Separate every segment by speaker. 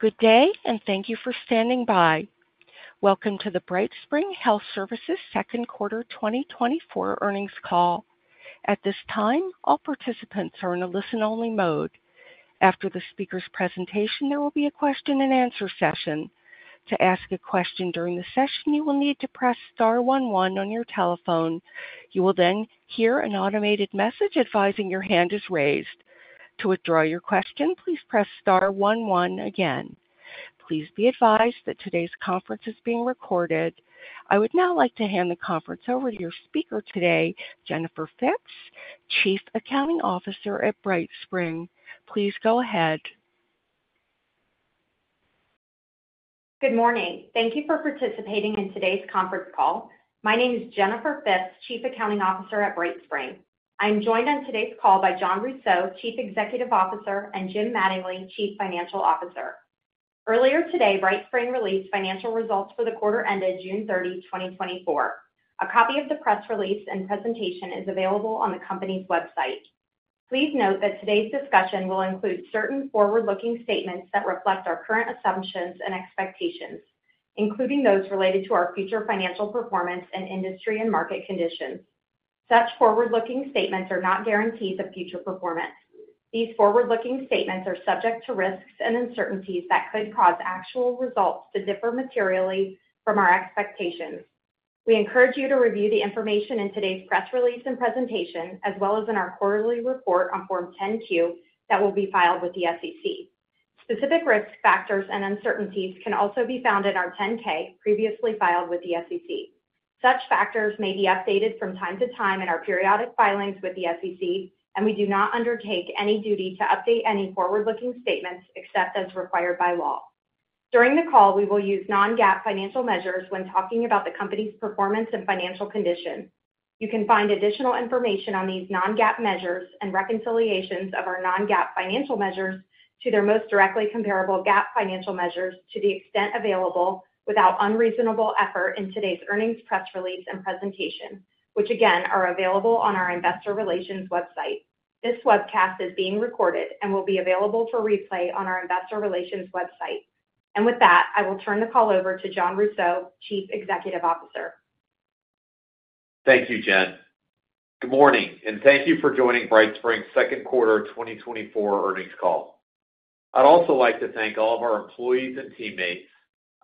Speaker 1: Good day, and thank you for standing by. Welcome to the BrightSpring Health Services Second Quarter 2024 earnings call. At this time, all participants are in a listen-only mode. After the speaker's presentation, there will be a question-and-answer session. To ask a question during the session, you will need to press star one one on your telephone. You will then hear an automated message advising your hand is raised. To withdraw your question, please press star one one again. Please be advised that today's conference is being recorded. I would now like to hand the conference over to your speaker today, Jennifer Phipps, Chief Accounting Officer at BrightSpring. Please go ahead.
Speaker 2: Good morning. Thank you for participating in today's conference call. My name is Jennifer Phipps, Chief Accounting Officer at BrightSpring. I'm joined on today's call by Jon Rousseau, Chief Executive Officer, and Jim Mattingly, Chief Financial Officer. Earlier today, BrightSpring released financial results for the quarter ended June 30, 2024. A copy of the press release and presentation is available on the company's website. Please note that today's discussion will include certain forward-looking statements that reflect our current assumptions and expectations, including those related to our future financial performance and industry and market conditions. Such forward-looking statements are not guarantees of future performance. These forward-looking statements are subject to risks and uncertainties that could cause actual results to differ materially from our expectations. We encourage you to review the information in today's press release and presentation, as well as in our quarterly report on Form 10-Q that will be filed with the SEC. Specific risk factors and uncertainties can also be found in our 10-K previously filed with the SEC. Such factors may be updated from time to time in our periodic filings with the SEC, and we do not undertake any duty to update any forward-looking statements except as required by law. During the call, we will use non-GAAP financial measures when talking about the company's performance and financial condition. You can find additional information on these non-GAAP measures and reconciliations of our non-GAAP financial measures to their most directly comparable GAAP financial measures to the extent available without unreasonable effort in today's earnings press release and presentation, which again are available on our Investor Relations website. This webcast is being recorded and will be available for replay on our Investor Relations website. With that, I will turn the call over to Jon Rousseau, Chief Executive Officer.
Speaker 3: Thank you, Jen. Good morning, and thank you for joining BrightSpring's Second Quarter 2024 earnings call. I'd also like to thank all of our employees and teammates,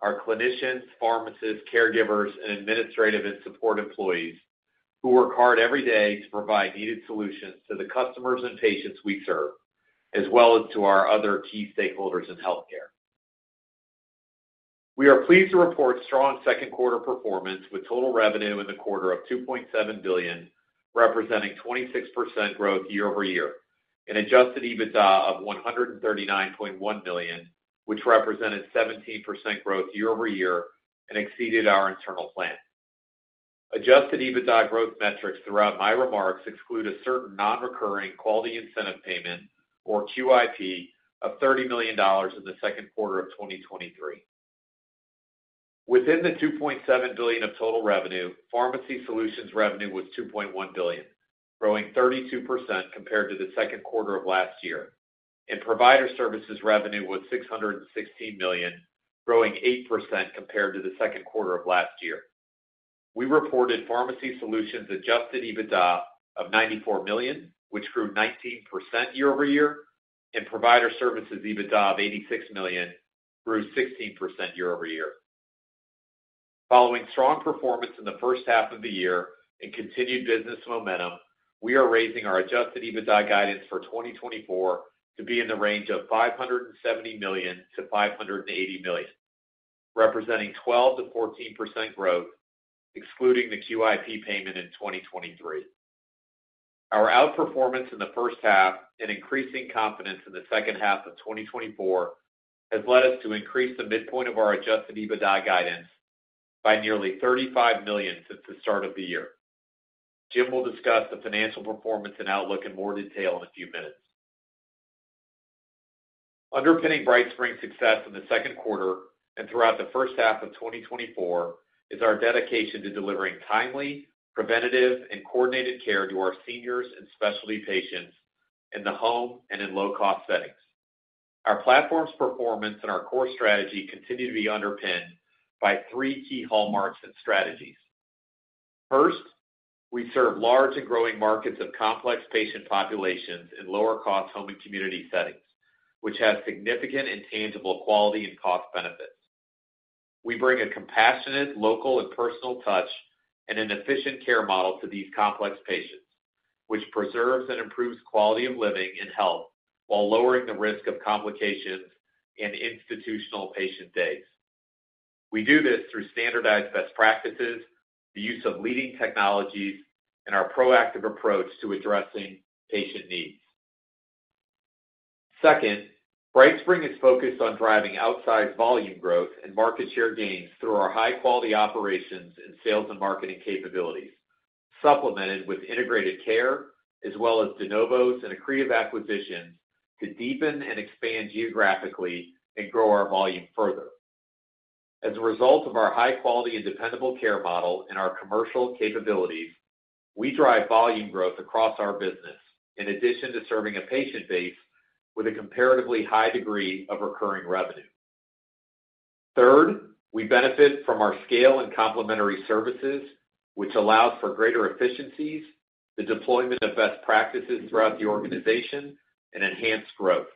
Speaker 3: our clinicians, pharmacists, caregivers, and administrative and support employees who work hard every day to provide needed solutions to the customers and patients we serve, as well as to our other key stakeholders in healthcare. We are pleased to report strong second quarter performance with total revenue in the quarter of $2.7 billion, representing 26% growth year-over-year, an Adjusted EBITDA of $139.1 million, which represented 17% growth year-over-year and exceeded our internal plan. Adjusted EBITDA growth metrics throughout my remarks exclude a certain non-recurring Quality Incentive Payment, or QIP, of $30 million in the second quarter of 2023. Within the $2.7 billion of total revenue, pharmacy solutions revenue was $2.1 billion, growing 32% compared to the second quarter of last year, and provider services revenue was $616 million, growing 8% compared to the second quarter of last year. We reported pharmacy solutions adjusted EBITDA of $94 million, which grew 19% year-over-year, and provider services EBITDA of $86 million, grew 16% year-over-year. Following strong performance in the first half of the year and continued business momentum, we are raising our adjusted EBITDA guidance for 2024 to be in the range of $570 million-$580 million, representing 12%-14% growth, excluding the QIP payment in 2023. Our outperformance in the first half and increasing confidence in the second half of 2024 has led us to increase the midpoint of our adjusted EBITDA guidance by nearly $35 million since the start of the year. Jim will discuss the financial performance and outlook in more detail in a few minutes. Underpinning BrightSpring's success in the second quarter and throughout the first half of 2024 is our dedication to delivering timely, preventative, and coordinated care to our seniors and specialty patients in the home and in low-cost settings. Our platform's performance and our core strategy continue to be underpinned by three key hallmarks and strategies. First, we serve large and growing markets of complex patient populations in lower-cost home and community settings, which has significant and tangible quality and cost benefits. We bring a compassionate, local, and personal touch and an efficient care model to these complex patients, which preserves and improves quality of living and health while lowering the risk of complications and institutional patient days. We do this through standardized best practices, the use of leading technologies, and our proactive approach to addressing patient needs. Second, BrightSpring is focused on driving outsized volume growth and market share gains through our high-quality operations and sales and marketing capabilities, supplemented with integrated care, as well as de novos and accretive acquisitions to deepen and expand geographically and grow our volume further. As a result of our high-quality and dependable care model and our commercial capabilities, we drive volume growth across our business, in addition to serving a patient base with a comparatively high degree of recurring revenue. Third, we benefit from our scale and complementary services, which allows for greater efficiencies, the deployment of best practices throughout the organization, and enhanced growth.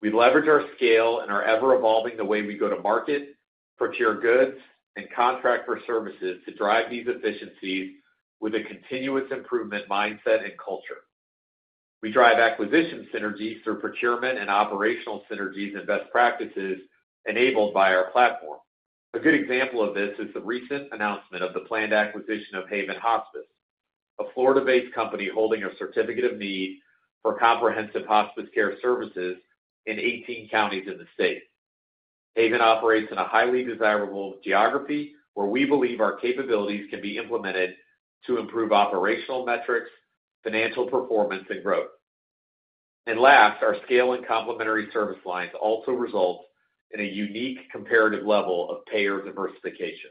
Speaker 3: We leverage our scale and our ever-evolving way we go to market, procure goods, and contract for services to drive these efficiencies with a continuous improvement mindset and culture. We drive acquisition synergies through procurement and operational synergies and best practices enabled by our platform. A good example of this is the recent announcement of the planned acquisition of Haven Hospice, a Florida-based company holding a Certificate of Need for comprehensive hospice care services in 18 counties in the state. Haven operates in a highly desirable geography where we believe our capabilities can be implemented to improve operational metrics, financial performance, and growth. And last, our scale and complementary service lines also result in a unique comparative level of payer diversification.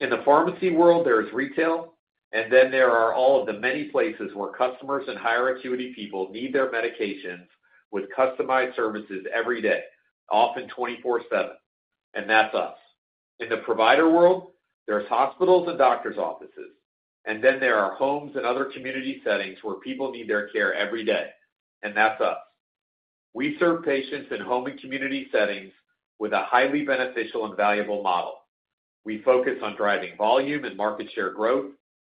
Speaker 3: In the pharmacy world, there is retail, and then there are all of the many places where customers and higher acuity people need their medications with customized services every day, often 24/7, and that's us. In the provider world, there are hospitals and doctors' offices, and then there are homes and other community settings where people need their care every day, and that's us. We serve patients in home and community settings with a highly beneficial and valuable model. We focus on driving volume and market share growth,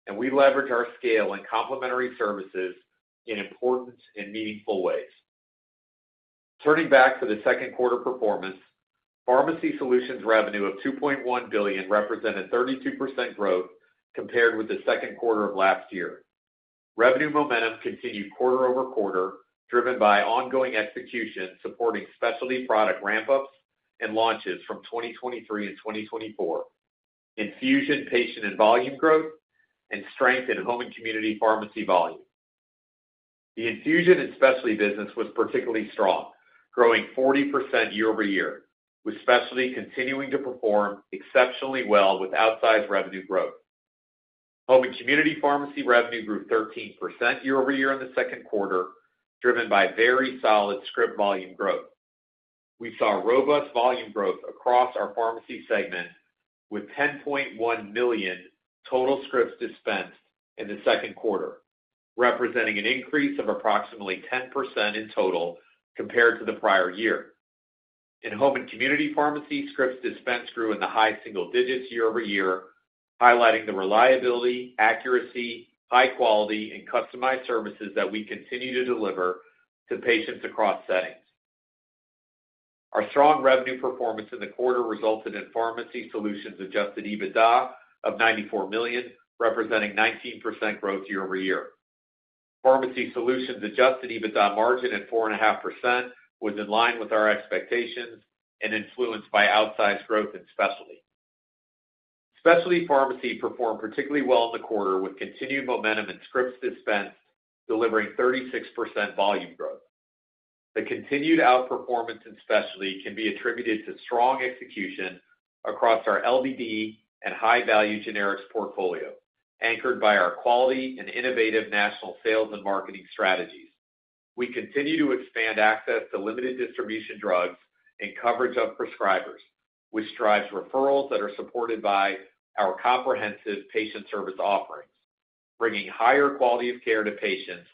Speaker 3: and we leverage our scale and complementary services in important and meaningful ways. Turning back to the second quarter performance, pharmacy solutions revenue of $2.1 billion represented 32% growth compared with the second quarter of last year. Revenue momentum continued quarter-over-quarter, driven by ongoing execution supporting specialty product ramp-ups and launches from 2023 and 2024, infusion, patient, and volume growth, and strength in home and community pharmacy volume. The infusion and specialty business was particularly strong, growing 40% year-over-year, with specialty continuing to perform exceptionally well with outsized revenue growth. Home and community pharmacy revenue grew 13% year-over-year in the second quarter, driven by very solid script volume growth. We saw robust volume growth across our pharmacy segment with 10.1 million total scripts dispensed in the second quarter, representing an increase of approximately 10% in total compared to the prior year. In home and community pharmacy, scripts dispensed grew in the high single digits year-over-year, highlighting the reliability, accuracy, high quality, and customized services that we continue to deliver to patients across settings. Our strong revenue performance in the quarter resulted in Pharmacy Solutions Adjusted EBITDA of $94 million, representing 19% year-over-year growth. Pharmacy Solutions Adjusted EBITDA margin at 4.5% was in line with our expectations and influenced by outsized growth in specialty. Specialty pharmacy performed particularly well in the quarter with continued momentum and scripts dispensed, delivering 36% volume growth. The continued outperformance in specialty can be attributed to strong execution across our LDD and high-value generics portfolio, anchored by our quality and innovative national sales and marketing strategies. We continue to expand access to limited distribution drugs and coverage of prescribers, which drives referrals that are supported by our comprehensive patient service offerings, bringing higher quality of care to patients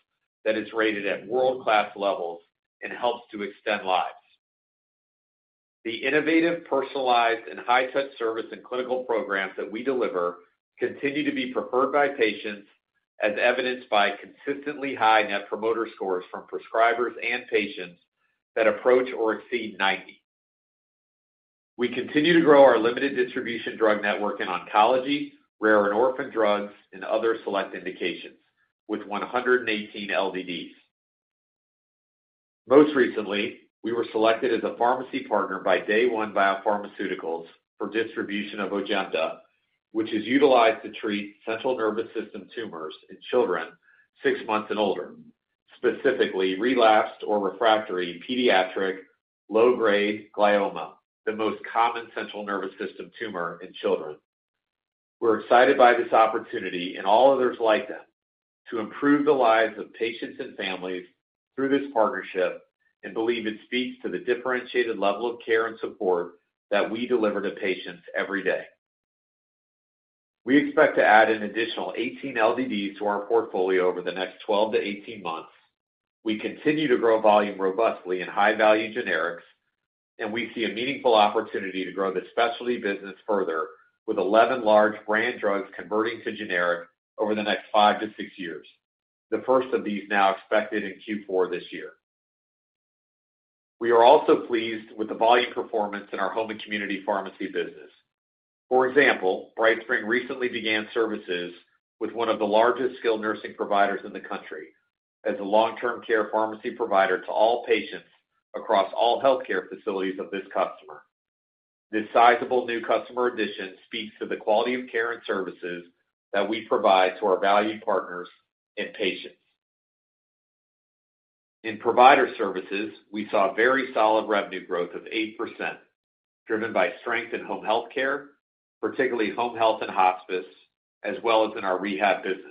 Speaker 3: that is rated at world-class levels and helps to extend lives. The innovative, personalized, and high-touch service and clinical programs that we deliver continue to be preferred by patients, as evidenced by consistently high Net Promoter Scores from prescribers and patients that approach or exceed 90. We continue to grow our limited distribution drug network in oncology, rare and orphan drugs, and other select indications, with 118 LDDs. Most recently, we were selected as a pharmacy partner by Day One Biopharmaceuticals for distribution of Ojemda, which is utilized to treat central nervous system tumors in children six months and older, specifically relapsed or refractory pediatric low-grade glioma, the most common central nervous system tumor in children. We're excited by this opportunity and all others like them to improve the lives of patients and families through this partnership and believe it speaks to the differentiated level of care and support that we deliver to patients every day. We expect to add an additional 18 LDDs to our portfolio over the next 12-18 months. We continue to grow volume robustly in high-value generics, and we see a meaningful opportunity to grow the specialty business further, with 11 large brand drugs converting to generic over the next 5-6 years, the first of these now expected in Q4 this year. We are also pleased with the volume performance in our home and community pharmacy business. For example, BrightSpring recently began services with one of the largest skilled nursing providers in the country as a long-term care pharmacy provider to all patients across all healthcare facilities of this customer. This sizable new customer addition speaks to the quality of care and services that we provide to our valued partners and patients. In provider services, we saw very solid revenue growth of 8%, driven by strength in home healthcare, particularly home health and hospice, as well as in our rehab business.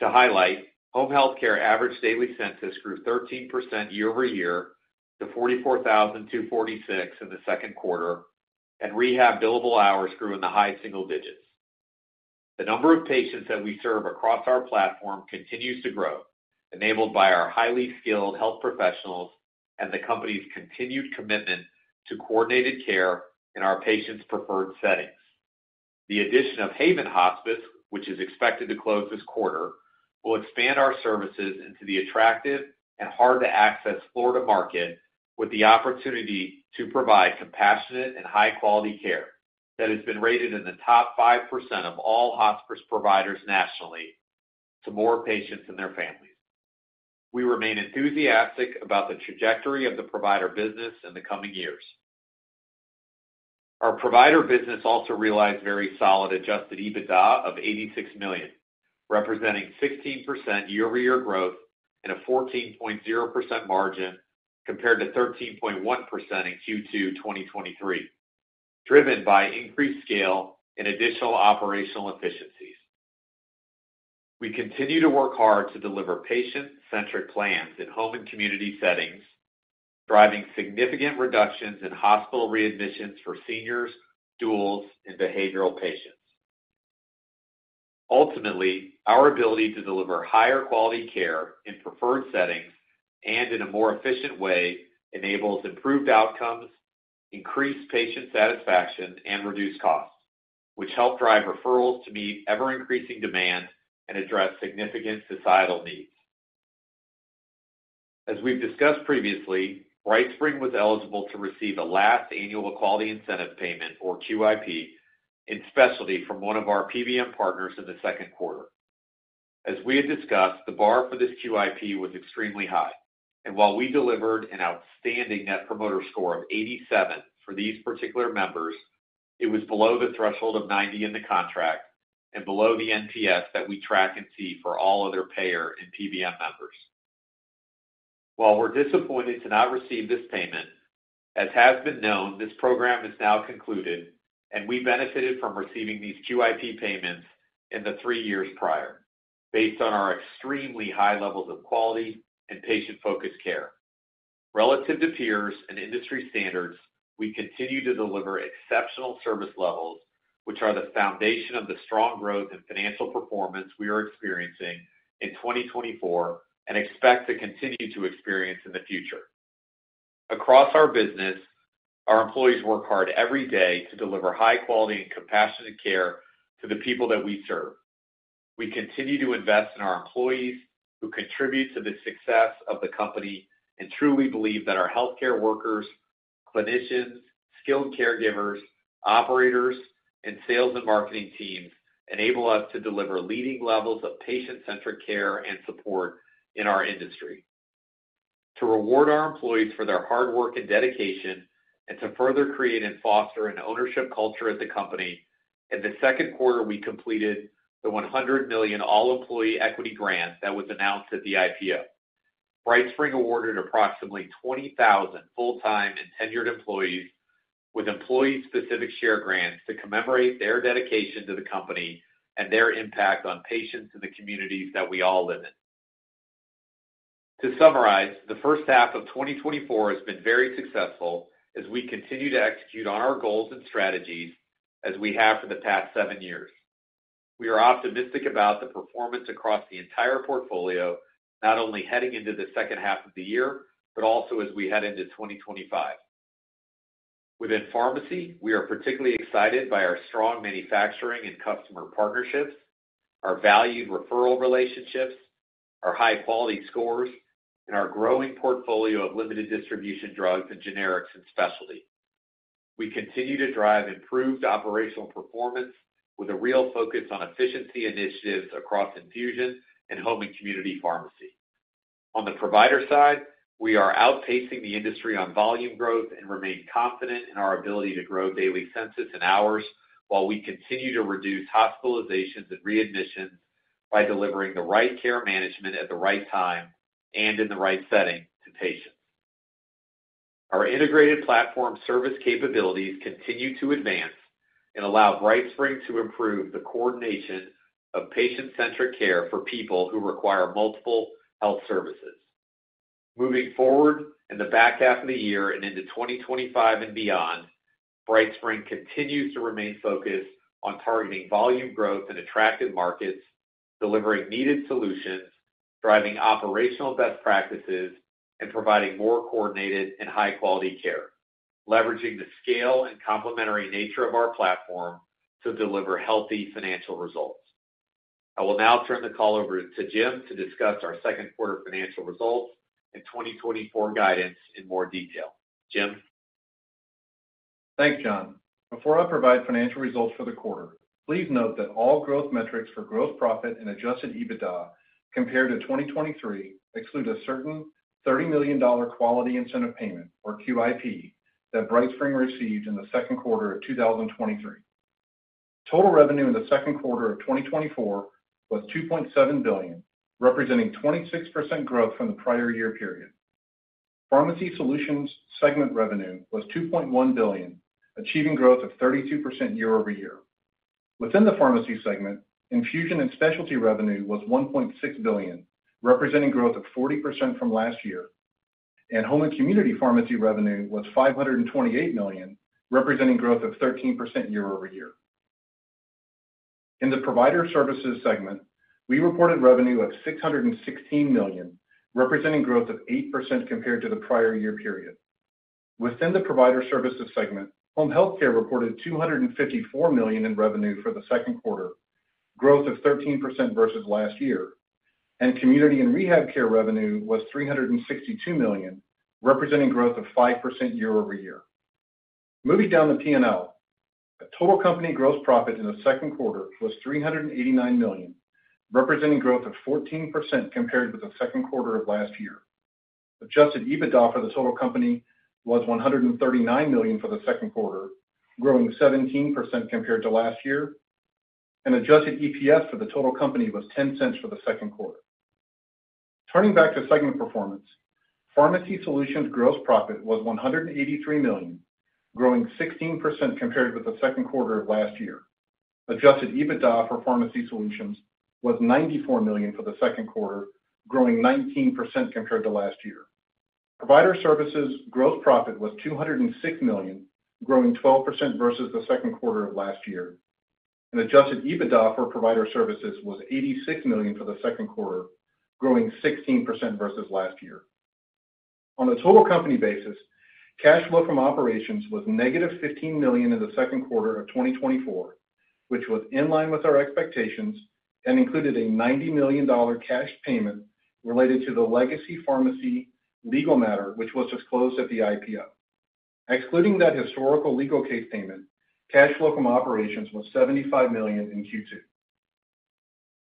Speaker 3: To highlight, home healthcare average daily census grew 13% year-over-year to 44,246 in the second quarter, and rehab billable hours grew in the high single digits. The number of patients that we serve across our platform continues to grow, enabled by our highly skilled health professionals and the company's continued commitment to coordinated care in our patients' preferred settings. The addition of Haven Hospice, which is expected to close this quarter, will expand our services into the attractive and hard-to-access Florida market, with the opportunity to provide compassionate and high-quality care that has been rated in the top 5% of all hospice providers nationally to more patients and their families. We remain enthusiastic about the trajectory of the provider business in the coming years. Our provider business also realized very solid Adjusted EBITDA of $86 million, representing 16% year-over-year growth and a 14.0% margin compared to 13.1% in Q2 2023, driven by increased scale and additional operational efficiencies. We continue to work hard to deliver patient-centric plans in home and community settings, driving significant reductions in hospital readmissions for seniors, duals, and behavioral patients. Ultimately, our ability to deliver higher quality care in preferred settings and in a more efficient way enables improved outcomes, increased patient satisfaction, and reduced costs, which help drive referrals to meet ever-increasing demand and address significant societal needs. As we've discussed previously, BrightSpring was eligible to receive a last annual Quality Incentive Payment, or QIP, in specialty from one of our PBM partners in the second quarter. As we had discussed, the bar for this QIP was extremely high, and while we delivered an outstanding Net Promoter Score of 87 for these particular members, it was below the threshold of 90 in the contract and below the NPS that we track and see for all other payer and PBM members. While we're disappointed to not receive this payment, as has been known, this program has now concluded, and we benefited from receiving these QIP payments in the three years prior, based on our extremely high levels of quality and patient-focused care. Relative to peers and industry standards, we continue to deliver exceptional service levels, which are the foundation of the strong growth and financial performance we are experiencing in 2024 and expect to continue to experience in the future. Across our business, our employees work hard every day to deliver high-quality and compassionate care to the people that we serve. We continue to invest in our employees who contribute to the success of the company and truly believe that our healthcare workers, clinicians, skilled caregivers, operators, and sales and marketing teams enable us to deliver leading levels of patient-centric care and support in our industry. To reward our employees for their hard work and dedication and to further create and foster an ownership culture at the company, in the second quarter, we completed the $100 million all-employee equity grant that was announced at the IPO. BrightSpring awarded approximately 20,000 full-time and tenured employees with employee-specific share grants to commemorate their dedication to the company and their impact on patients in the communities that we all live in. To summarize, the first half of 2024 has been very successful as we continue to execute on our goals and strategies as we have for the past seven years. We are optimistic about the performance across the entire portfolio, not only heading into the second half of the year, but also as we head into 2025. Within pharmacy, we are particularly excited by our strong manufacturing and customer partnerships, our valued referral relationships, our high-quality scores, and our growing portfolio of limited distribution drugs and generics and specialty. We continue to drive improved operational performance with a real focus on efficiency initiatives across infusion and home and community pharmacy. On the provider side, we are outpacing the industry on volume growth and remain confident in our ability to grow daily census and hours while we continue to reduce hospitalizations and readmissions by delivering the right care management at the right time and in the right setting to patients. Our integrated platform service capabilities continue to advance and allow BrightSpring to improve the coordination of patient-centric care for people who require multiple health services. Moving forward in the back half of the year and into 2025 and beyond, BrightSpring continues to remain focused on targeting volume growth and attractive markets, delivering needed solutions, driving operational best practices, and providing more coordinated and high-quality care, leveraging the scale and complementary nature of our platform to deliver healthy financial results. I will now turn the call over to Jim to discuss our second quarter financial results and 2024 guidance in more detail. Jim.
Speaker 4: Thanks, Jon. Before I provide financial results for the quarter, please note that all growth metrics for gross profit and Adjusted EBITDA compared to 2023 exclude a certain $30 million Quality Incentive Payment, or QIP, that BrightSpring received in the second quarter of 2023. Total revenue in the second quarter of 2024 was $2.7 billion, representing 26% growth from the prior year period. Pharmacy solutions segment revenue was $2.1 billion, achieving growth of 32% year-over-year. Within the pharmacy segment, infusion and specialty revenue was $1.6 billion, representing growth of 40% from last year, and home and community pharmacy revenue was $528 million, representing growth of 13% year-over-year. In the provider services segment, we reported revenue of $616 million, representing growth of 8% compared to the prior year period. Within the provider services segment, home healthcare reported $254 million in revenue for the second quarter, growth of 13% versus last year, and community and rehab care revenue was $362 million, representing growth of 5% year-over-year. Moving down the P&L, total company gross profit in the second quarter was $389 million, representing growth of 14% compared with the second quarter of last year. Adjusted EBITDA for the total company was $139 million for the second quarter, growing 17% compared to last year, and adjusted EPS for the total company was $0.10 for the second quarter. Turning back to segment performance, pharmacy solutions gross profit was $183 million, growing 16% compared with the second quarter of last year. Adjusted EBITDA for pharmacy solutions was $94 million for the second quarter, growing 19% compared to last year. Provider services gross profit was $206 million, growing 12% versus the second quarter of last year, and Adjusted EBITDA for provider services was $86 million for the second quarter, growing 16% versus last year. On a total company basis, cash flow from operations was -$15 million in the second quarter of 2024, which was in line with our expectations and included a $90 million cash payment related to the legacy pharmacy legal matter, which was disclosed at the IPO. Excluding that historical legal case payment, cash flow from operations was $75 million in Q2.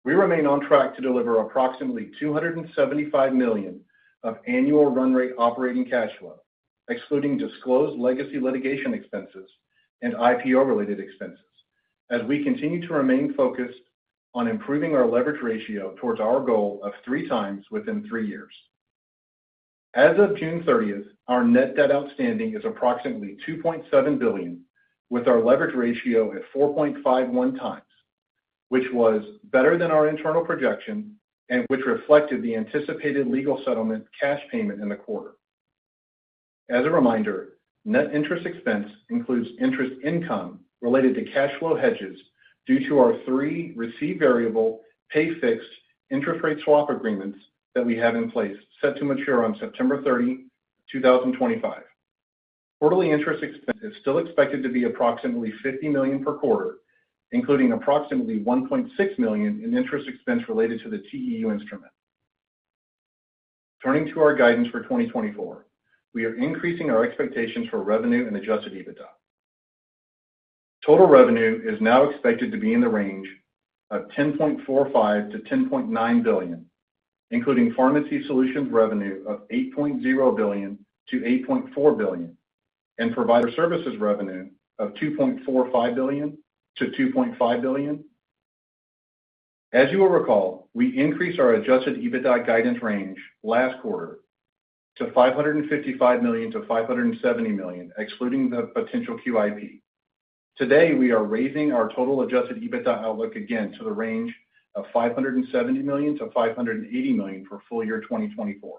Speaker 4: We remain on track to deliver approximately $275 million of annual run rate operating cash flow, excluding disclosed legacy litigation expenses and IPO-related expenses, as we continue to remain focused on improving our leverage ratio towards our goal of 3x within three years. As of June 30th, our net debt outstanding is approximately $2.7 billion, with our leverage ratio at 4.51 times, which was better than our internal projection and which reflected the anticipated legal settlement cash payment in the quarter. As a reminder, net interest expense includes interest income related to cash flow hedges due to our three receive variable pay-fixed interest rate swap agreements that we have in place set to mature on September 30, 2025. Quarterly interest expense is still expected to be approximately $50 million per quarter, including approximately $1.6 million in interest expense related to the TEU instrument. Turning to our guidance for 2024, we are increasing our expectations for revenue and Adjusted EBITDA. Total revenue is now expected to be in the range of $10.45-$10.9 billion, including pharmacy solutions revenue of $8.0-$8.4 billion, and provider services revenue of $2.45-$2.5 billion. As you will recall, we increased our Adjusted EBITDA guidance range last quarter to $555-$570 million, excluding the potential QIP. Today, we are raising our total Adjusted EBITDA outlook again to the range of $570-$580 million for full year 2024.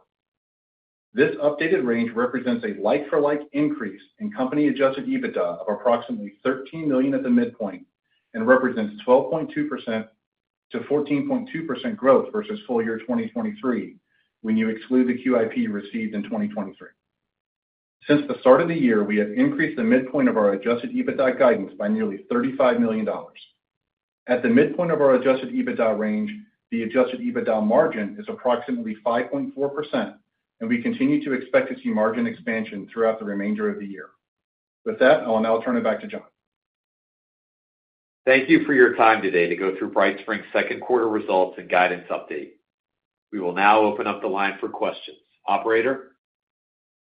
Speaker 4: This updated range represents a like-for-like increase in company Adjusted EBITDA of approximately $13 million at the midpoint and represents 12.2%-14.2% growth versus full year 2023 when you exclude the QIP received in 2023. Since the start of the year, we have increased the midpoint of our Adjusted EBITDA guidance by nearly $35 million. At the midpoint of our Adjusted EBITDA range, the Adjusted EBITDA margin is approximately 5.4%, and we continue to expect to see margin expansion throughout the remainder of the year. With that, I'll now turn it back to John.
Speaker 3: Thank you for your time today to go through BrightSpring's second quarter results and guidance update. We will now open up the line for questions. Operator?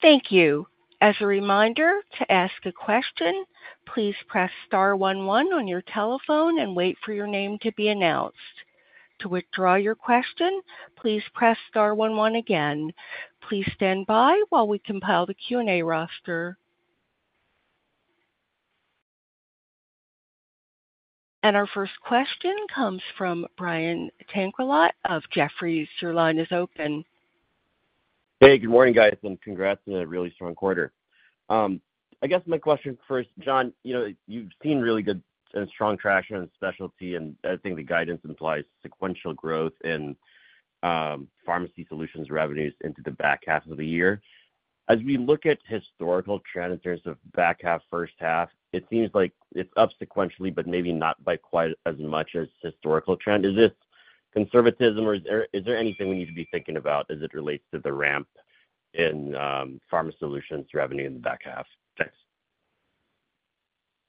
Speaker 1: Thank you. As a reminder, to ask a question, please press star one one on your telephone and wait for your name to be announced. To withdraw your question, please press star one one again. Please stand by while we compile the Q&A roster. And our first question comes from Brian Tanquilut of Jefferies. Your line is open.
Speaker 5: Hey, good morning, guys, and congrats on a really strong quarter. I guess my question first, Jon, you've seen really good and strong traction on specialty, and I think the guidance implies sequential growth in pharmacy solutions revenues into the back half of the year. As we look at historical trends in terms of back half, first half, it seems like it's up sequentially, but maybe not by quite as much as historical trend. Is this conservatism, or is there anything we need to be thinking about as it relates to the ramp in pharma solutions revenue in the back half? Thanks.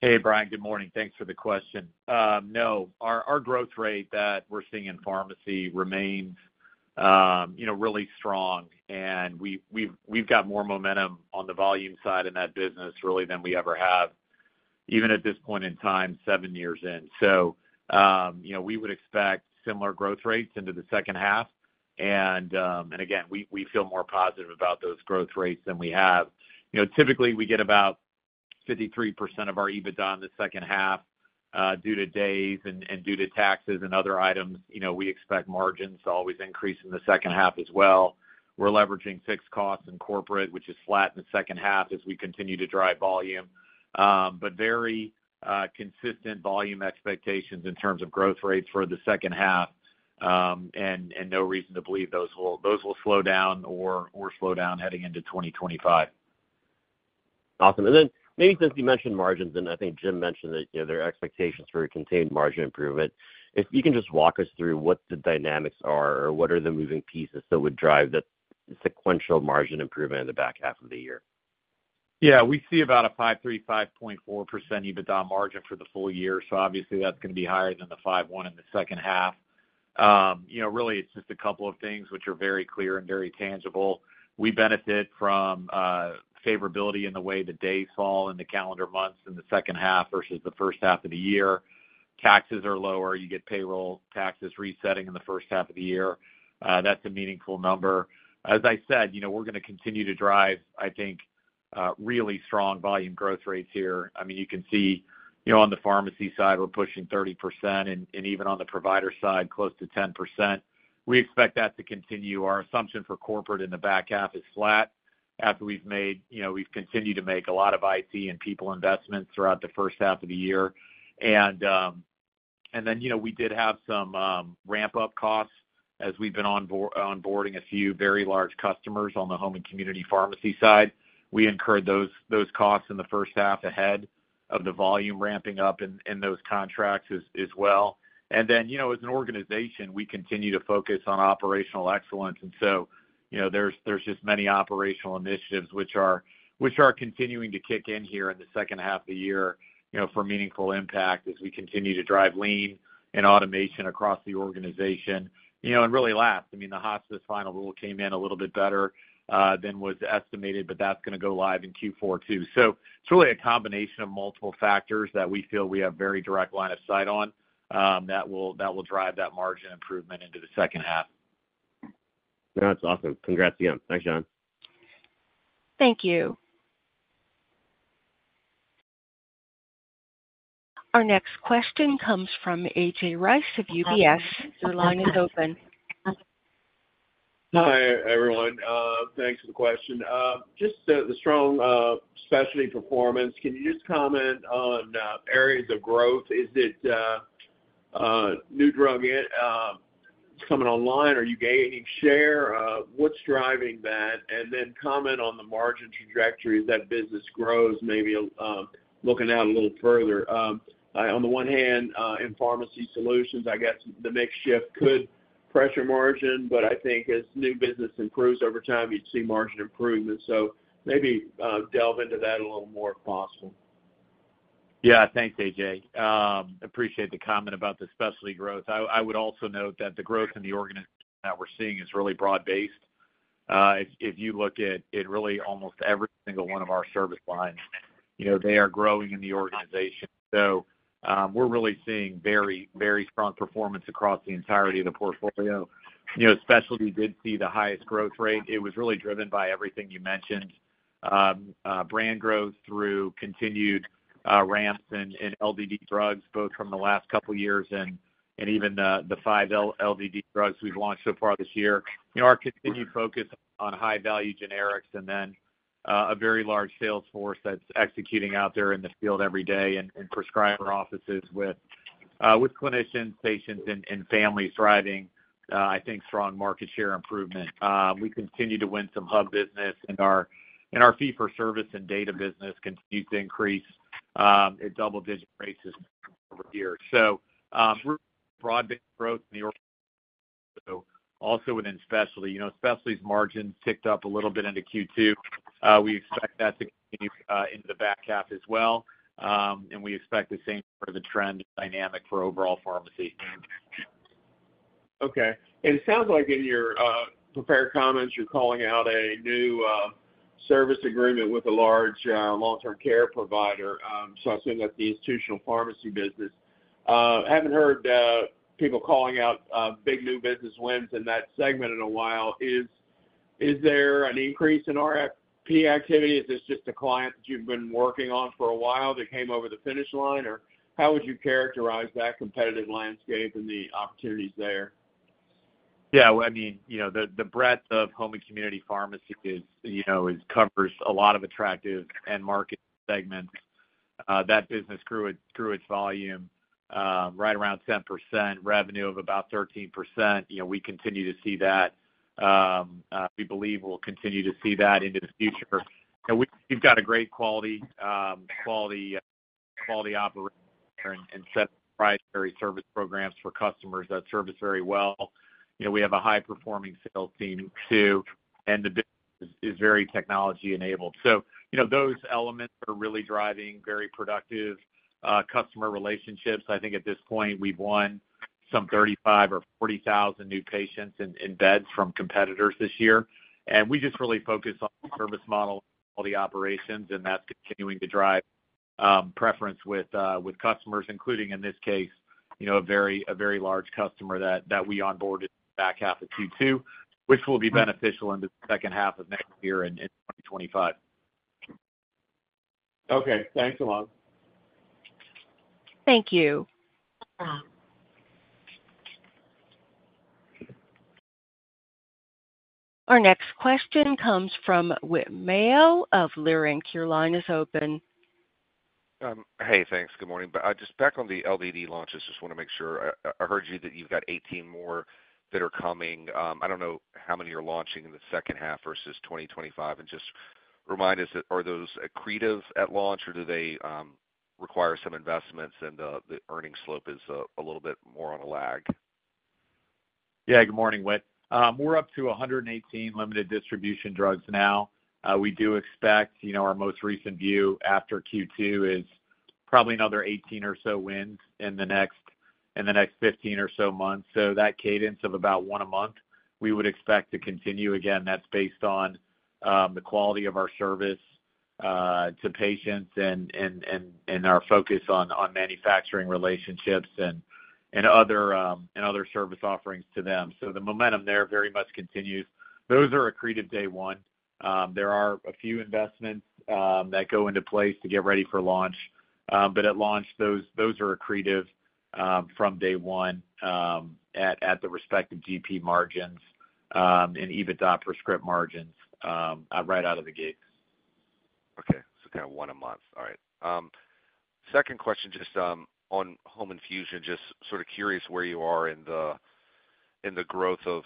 Speaker 3: Hey, Brian, good morning. Thanks for the question. No, our growth rate that we're seeing in pharmacy remains really strong, and we've got more momentum on the volume side in that business really than we ever have, even at this point in time, seven years in. So we would expect similar growth rates into the second half. Again, we feel more positive about those growth rates than we have. Typically, we get about 53% of our EBITDA in the second half due to days and due to taxes and other items. We expect margins to always increase in the second half as well. We're leveraging fixed costs in corporate, which is flat in the second half as we continue to drive volume, but very consistent volume expectations in terms of growth rates for the second half, and no reason to believe those will slow down or slow down heading into 2025.
Speaker 5: Awesome. Then maybe since you mentioned margins, and I think Jim mentioned that there are expectations for a contained margin improvement, if you can just walk us through what the dynamics are or what are the moving pieces that would drive the sequential margin improvement in the back half of the year?
Speaker 3: Yeah, we see about a 535.4% EBITDA margin for the full year. So obviously, that's going to be higher than the 5.1 in the second half. Really, it's just a couple of things which are very clear and very tangible. We benefit from favorability in the way the days fall in the calendar months in the second half versus the first half of the year. Taxes are lower. You get payroll taxes resetting in the first half of the year. That's a meaningful number. As I said, we're going to continue to drive, I think, really strong volume growth rates here. I mean, you can see on the pharmacy side, we're pushing 30%, and even on the provider side, close to 10%. We expect that to continue. Our assumption for corporate in the back half is flat after we've continued to make a lot of IT and people investments throughout the first half of the year. Then we did have some ramp-up costs as we've been onboarding a few very large customers on the home and community pharmacy side. We incurred those costs in the first half ahead of the volume ramping up in those contracts as well. Then as an organization, we continue to focus on operational excellence. So there's just many operational initiatives which are continuing to kick in here in the second half of the year for meaningful impact as we continue to drive lean and automation across the organization. And really last, I mean, the hospice final rule came in a little bit better than was estimated, but that's going to go live in Q4 too. So it's really a combination of multiple factors that we feel we have very direct line of sight on that will drive that margin improvement into the second half.
Speaker 5: That's awesome. Congrats again. Thanks, Jon.
Speaker 1: Thank you. Our next question comes from A.J. Rice of UBS. Your line is open.
Speaker 6: Hi, everyone. Thanks for the question. Just the strong specialty performance. Can you just comment on areas of growth? Is it new drug coming online? Are you gaining share? What's driving that? And then comment on the margin trajectory as that business grows, maybe looking out a little further. On the one hand, in pharmacy solutions, I guess the mix shift could pressure margin, but I think as new business improves over time, you'd see margin improvement. So maybe delve into that a little more if possible.
Speaker 3: Yeah, thanks, A.J. Appreciate the comment about the specialty growth. I would also note that the growth in the organization that we're seeing is really broad-based. If you look at really almost every single one of our service lines, they are growing in the organization. So we're really seeing very, very strong performance across the entirety of the portfolio. Specialty did see the highest growth rate. It was really driven by everything you mentioned: brand growth through continued ramps in LDD drugs, both from the last couple of years and even the 5 LDD drugs we've launched so far this year. Our continued focus on high-value generics and then a very large sales force that's executing out there in the field every day in prescriber offices with clinicians, patients, and families driving, I think, strong market share improvement. We continue to win some hub business, and our fee-for-service and data business continues to increase at double-digit rates over the years. So broad-based growth in the organization, also within specialty. Specialty's margins ticked up a little bit into Q2. We expect that to continue into the back half as well. And we expect the same for the trend dynamic for overall pharmacy.
Speaker 6: Okay. And it sounds like in your prepared comments, you're calling out a new service agreement with a large long-term care provider. So I assume that's the institutional pharmacy business. Haven't heard people calling out big new business wins in that segment in a while. Is there an increase in RFP activity? Is this just a client that you've been working on for a while that came over the finish line? Or how would you characterize that competitive landscape and the opportunities there?
Speaker 3: Yeah, I mean, the breadth of home and community pharmacy covers a lot of attractive end market segments. That business grew its volume right around 10%, revenue of about 13%. We continue to see that. We believe we'll continue to see that into the future. We've got a great quality operation and set of proprietary service programs for customers that service very well. We have a high-performing sales team too, and the business is very technology-enabled. So those elements are really driving very productive customer relationships. I think at this point, we've won some 35,000 or 40,000 new patients in beds from competitors this year. We just really focus on service model and quality operations, and that's continuing to drive preference with customers, including, in this case, a very large customer that we onboarded in the back half of Q2, which will be beneficial into the second half of next year in 2025.
Speaker 6: Okay. Thanks a lot.
Speaker 1: Thank you. Our next question comes from Whit Mayo of Leerink. Your line is open.
Speaker 7: Hey, thanks. Good morning. But just back on the LDD launches, just want to make sure. I heard you that you've got 18 more that are coming. I don't know how many you're launching in the second half versus 2025. And just remind us, are those accretive at launch, or do they require some investments, and the earnings slope is a little bit more on a lag?
Speaker 3: Yeah, good morning, Whit. We're up to 118 limited distribution drugs now. We do expect our most recent view after Q2 is probably another 18 or so wins in the next 15 or so months. So that cadence of about one a month, we would expect to continue. Again, that's based on the quality of our service to patients and our focus on manufacturing relationships and other service offerings to them. So the momentum there very much continues. Those are accretive day one. There are a few investments that go into place to get ready for launch. But at launch, those are accretive from day one at the respective GP margins and EBITDA per script margins right out of the gate.
Speaker 7: Okay. So kind of one a month. All right. Second question just on home infusion. Just sort of curious where you are in the growth of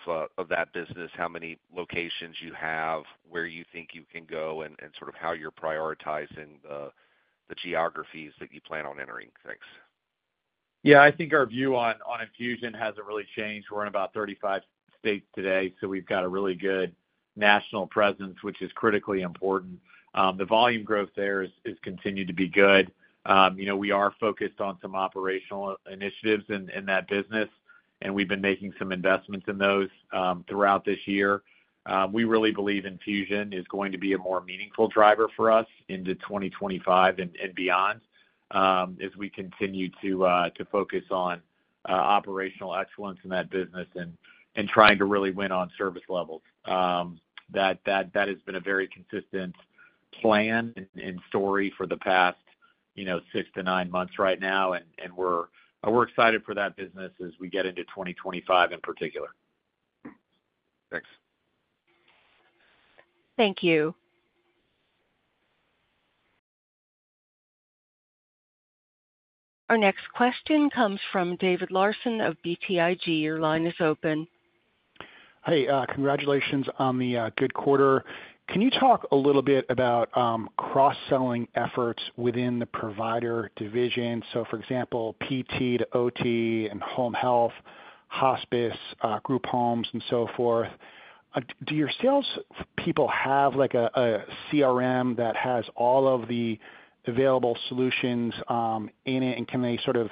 Speaker 7: that business, how many locations you have, where you think you can go, and sort of how you're prioritizing the geographies that you plan on entering. Thanks.
Speaker 3: Yeah, I think our view on infusion hasn't really changed. We're in about 35 states today, so we've got a really good national presence, which is critically important. The volume growth there has continued to be good. We are focused on some operational initiatives in that business, and we've been making some investments in those throughout this year. We really believe infusion is going to be a more meaningful driver for us into 2025 and beyond as we continue to focus on operational excellence in that business and trying to really win on service levels. That has been a very consistent plan and story for the past six to nine months right now, and we're excited for that business as we get into 2025 in particular.
Speaker 7: Thanks.
Speaker 1: Thank you. Our next question comes from David Larsen of BTIG. Your line is open.
Speaker 8: Hey, congratulations on the good quarter. Can you talk a little bit about cross-selling efforts within the provider division? So for example, PT to OT and home health, hospice, group homes, and so forth. Do your salespeople have a CRM that has all of the available solutions in it, and can they sort of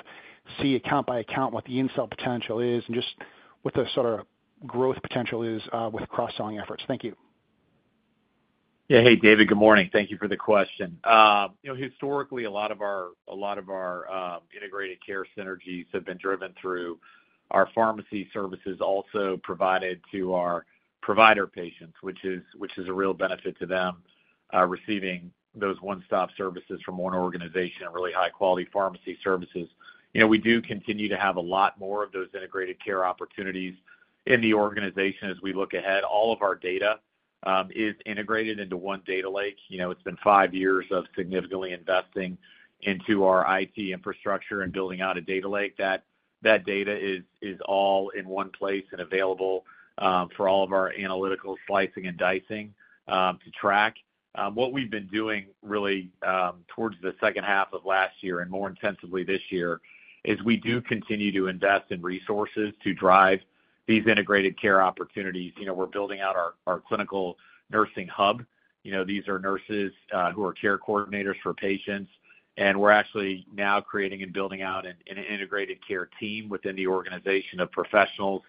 Speaker 8: see account by account what the install potential is and just what the sort of growth potential is with cross-selling efforts?
Speaker 3: Thank you. Yeah. Hey, David, good morning. Thank you for the question. Historically, a lot of our integrated care synergies have been driven through our pharmacy services also provided to our provider patients, which is a real benefit to them receiving those one-stop services from one organization, really high-quality pharmacy services. We do continue to have a lot more of those integrated care opportunities in the organization as we look ahead. All of our data is integrated into one data lake. It's been five years of significantly investing into our IT infrastructure and building out a data lake. That data is all in one place and available for all of our analytical slicing and dicing to track. What we've been doing really towards the second half of last year and more intensively this year is we do continue to invest in resources to drive these integrated care opportunities. We're building out our clinical nursing hub. These are nurses who are care coordinators for patients. And we're actually now creating and building out an integrated care team within the organization of professionals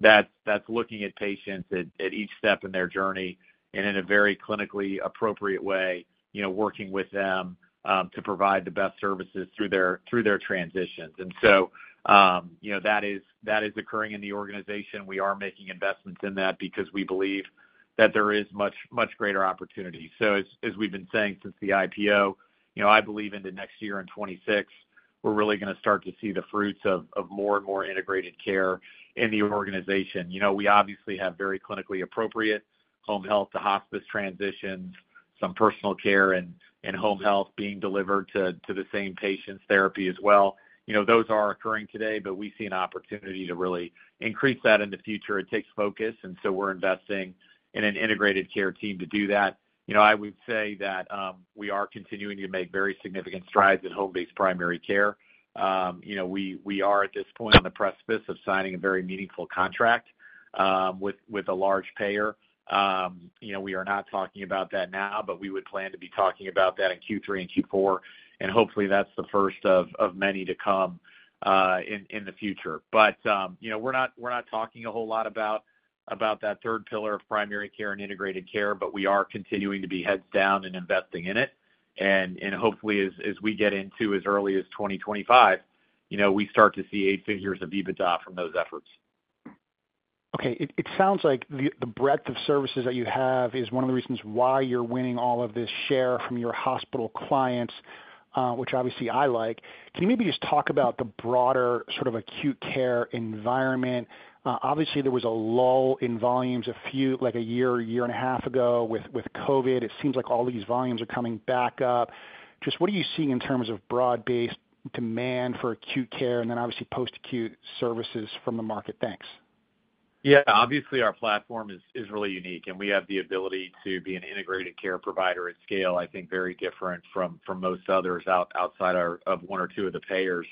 Speaker 3: that's looking at patients at each step in their journey and in a very clinically appropriate way, working with them to provide the best services through their transitions. And so that is occurring in the organization. We are making investments in that because we believe that there is much greater opportunity. So as we've been saying since the IPO, I believe into next year in 2026, we're really going to start to see the fruits of more and more integrated care in the organization. We obviously have very clinically appropriate home health to hospice transitions, some personal care and home health being delivered to the same patients, therapy as well. Those are occurring today, but we see an opportunity to really increase that in the future. It takes focus. And so we're investing in an integrated care team to do that. I would say that we are continuing to make very significant strides in home-based primary care. We are at this point on the precipice of signing a very meaningful contract with a large payer. We are not talking about that now, but we would plan to be talking about that in Q3 and Q4. Hopefully, that's the first of many to come in the future. But we're not talking a whole lot about that third pillar of primary care and integrated care, but we are continuing to be heads down and investing in it. And hopefully, as we get into as early as 2025, we start to see eight figures of EBITDA from those efforts.
Speaker 8: Okay. It sounds like the breadth of services that you have is one of the reasons why you're winning all of this share from your hospital clients, which obviously I like. Can you maybe just talk about the broader sort of acute care environment? Obviously, there was a lull in volumes a few, like a year, year and a half ago with COVID. It seems like all these volumes are coming back up. Just what are you seeing in terms of broad-based demand for acute care and then obviously post-acute services from the market? Thanks.
Speaker 3: Yeah. Obviously, our platform is really unique, and we have the ability to be an integrated care provider at scale, I think very different from most others outside of one or two of the payers.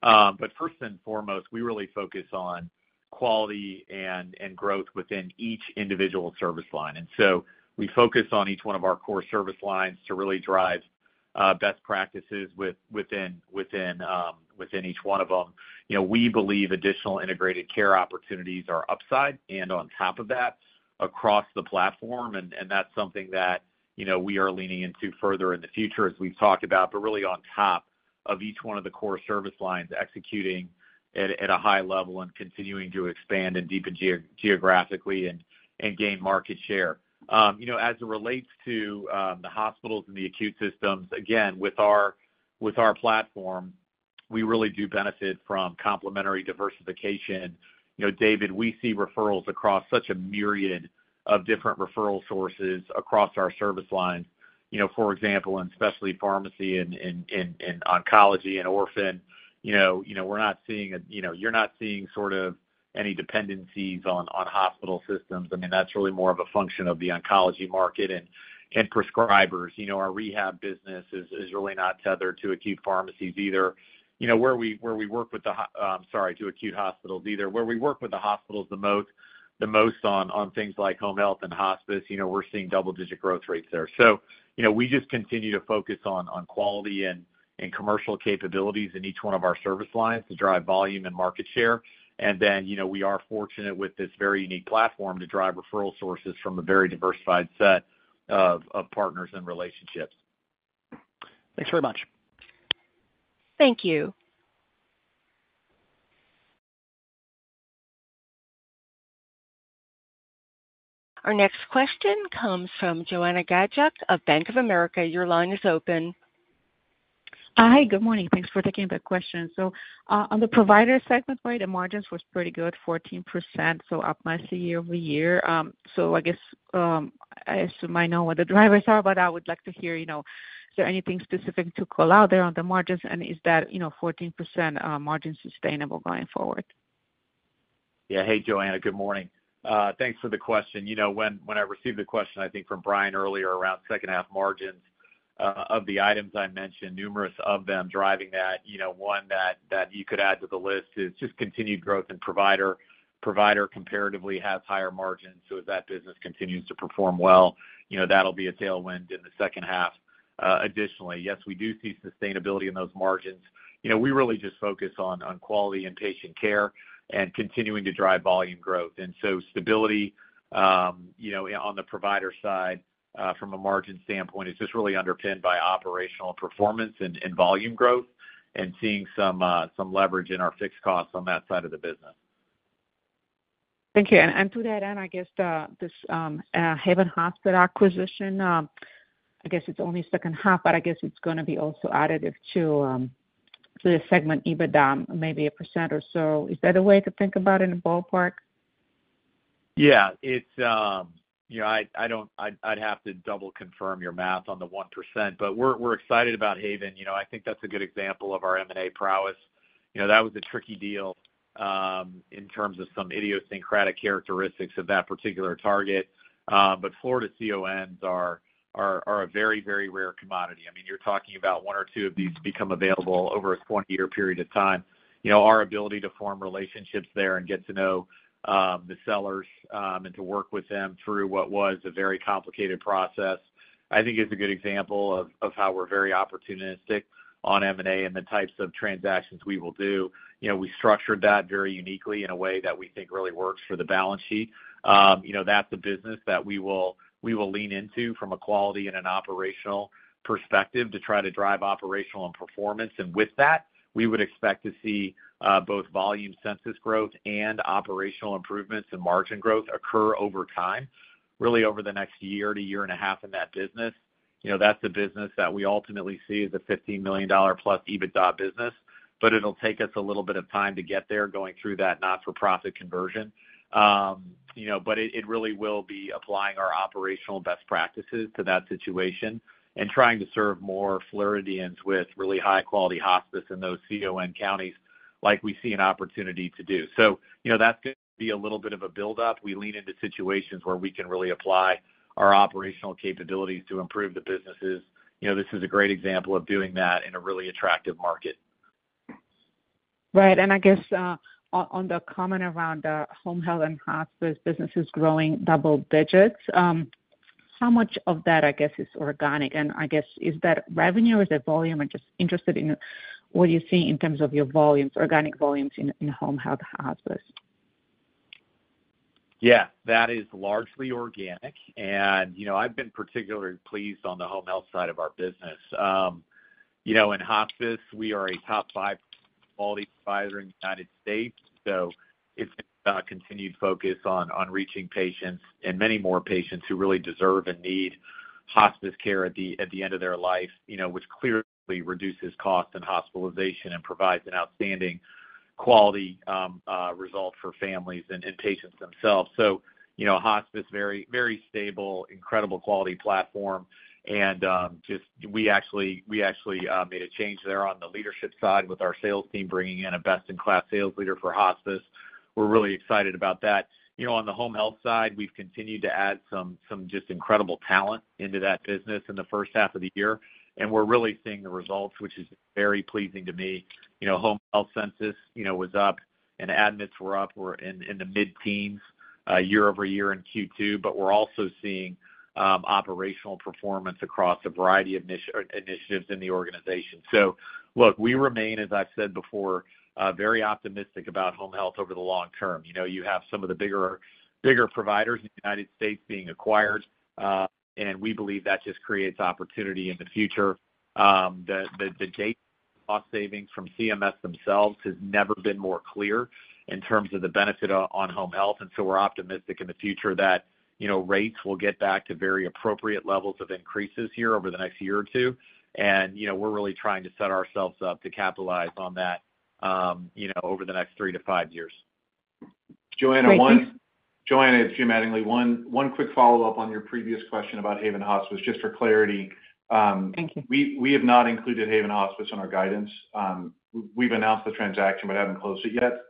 Speaker 3: But first and foremost, we really focus on quality and growth within each individual service line. And so we focus on each one of our core service lines to really drive best practices within each one of them. We believe additional integrated care opportunities are upside and on top of that across the platform. That's something that we are leaning into further in the future, as we've talked about, but really on top of each one of the core service lines, executing at a high level and continuing to expand and deepen geographically and gain market share. As it relates to the hospitals and the acute systems, again, with our platform, we really do benefit from complementary diversification. David, we see referrals across such a myriad of different referral sources across our service lines. For example, in specialty pharmacy and oncology and orphan, we're not seeing—you're not seeing sort of any dependencies on hospital systems. I mean, that's really more of a function of the oncology market and prescribers. Our rehab business is really not tethered to acute pharmacies either. Where we work with the—sorry, to acute hospitals either. Where we work with the hospitals the most on things like home health and hospice, we're seeing double-digit growth rates there. So we just continue to focus on quality and commercial capabilities in each one of our service lines to drive volume and market share. And then we are fortunate with this very unique platform to drive referral sources from a very diversified set of partners and relationships.
Speaker 8: Thanks very much. Thank you. Our next question comes from Joanna Gajuk of Bank of America. Your line is open.
Speaker 9: Hi. Good morning. Thanks for taking the question. So on the provider segment, right, the margins were pretty good, 14%, so up nicely year-over-year. So I guess I assume I know what the drivers are, but I would like to hear, is there anything specific to call out there on the margins, and is that 14% margin sustainable going forward?
Speaker 3: Yeah. Hey, Joanna. Good morning. Thanks for the question. When I received the question, I think from Brian earlier around second-half margins of the items I mentioned, numerous of them driving that. One that you could add to the list is just continued growth, and provider comparatively has higher margins. So as that business continues to perform well, that'll be a tailwind in the second half. Additionally, yes, we do see sustainability in those margins. We really just focus on quality and patient care and continuing to drive volume growth. And so stability on the provider side from a margin standpoint is just really underpinned by operational performance and volume growth and seeing some leverage in our fixed costs on that side of the business.
Speaker 9: Thank you. And to that end, I guess this Haven Hospice acquisition, I guess it's only second half, but I guess it's going to be also additive to the segment EBITDA, maybe a percent or so. Is that a way to think about it in a ballpark?
Speaker 3: Yeah. I'd have to double-confirm your math on the 1%, but we're excited about Haven. I think that's a good example of our M&A prowess. That was a tricky deal in terms of some idiosyncratic characteristics of that particular target. But Florida CONs are a very, very rare commodity. I mean, you're talking about one or two of these become available over a 20-year period of time. Our ability to form relationships there and get to know the sellers and to work with them through what was a very complicated process, I think, is a good example of how we're very opportunistic on M&A and the types of transactions we will do. We structured that very uniquely in a way that we think really works for the balance sheet. That's a business that we will lean into from a quality and an operational perspective to try to drive operational and performance. And with that, we would expect to see both volume census growth and operational improvements and margin growth occur over time, really over the next year to year and a half in that business. That's the business that we ultimately see as a $15 million+ EBITDA business, but it'll take us a little bit of time to get there going through that not-for-profit conversion. But it really will be applying our operational best practices to that situation and trying to serve more Floridians with really high-quality hospice in those CON counties like we see an opportunity to do. So that's going to be a little bit of a build-up. We lean into situations where we can really apply our operational capabilities to improve the businesses. This is a great example of doing that in a really attractive market.
Speaker 9: Right. And I guess on the comment around the home health and hospice businesses growing double digits, how much of that, I guess, is organic? And I guess, is that revenue or is that volume? I'm just interested in what you see in terms of your volumes, organic volumes in home health hospice.
Speaker 3: Yeah. That is largely organic. And I've been particularly pleased on the home health side of our business. In hospice, we are a top five quality provider in the United States. So it's been a continued focus on reaching patients and many more patients who really deserve and need hospice care at the end of their life, which clearly reduces costs and hospitalization and provides an outstanding quality result for families and patients themselves. So hospice, very stable, incredible quality platform. And we actually made a change there on the leadership side with our sales team bringing in a best-in-class sales leader for hospice. We're really excited about that. On the home health side, we've continued to add some just incredible talent into that business in the first half of the year. And we're really seeing the results, which is very pleasing to me. Home health census was up, and admits were up. We're in the mid-teens year-over-year in Q2, but we're also seeing operational performance across a variety of initiatives in the organization. So look, we remain, as I've said before, very optimistic about home health over the long term. You have some of the bigger providers in the United States being acquired, and we believe that just creates opportunity in the future. The data cost savings from CMS themselves has never been more clear in terms of the benefit on home health. And so we're optimistic in the future that rates will get back to very appropriate levels of increases here over the next year or two. And we're really trying to set ourselves up to capitalize on that over the next three to five years. Joanna, one—
Speaker 9: Thank you.
Speaker 4: Joanna, its Jim Mattingly, one quick follow-up on your previous question about Haven Hospice, just for clarity.
Speaker 9: Thank you.
Speaker 4: We have not included Haven Hospice in our guidance. We've announced the transaction, but haven't closed it yet.